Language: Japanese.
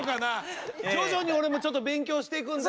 徐々に俺もちょっと勉強していくんで。